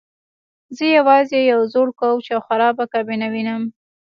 زه یوازې یو زوړ کوچ او خرابه کابینه وینم